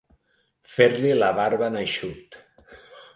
Fer-li la barba en eixut.